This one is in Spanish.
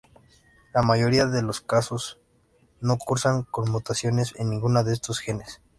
La mayoría de los casos no cursan con mutaciones en ninguno de estos genes.